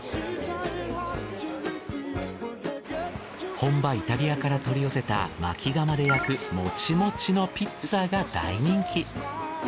本場イタリアから取り寄せた薪窯で焼くモチモチのピッツァが大人気。